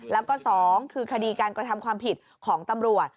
แล้วก็๒คือคดีการกระทำความผิดของตำรวจ